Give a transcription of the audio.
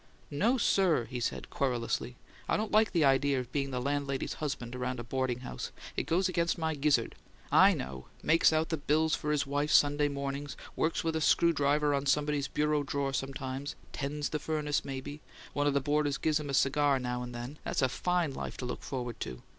"No, sir!" he said, querulously. "I don't like the idea of being the landlady's husband around a boarding house; it goes against my gizzard. I know: makes out the bills for his wife Sunday mornings works with a screw driver on somebody's bureau drawer sometimes 'tends the furnace maybe one the boarders gives him a cigar now and then. That's a FINE life to look forward to!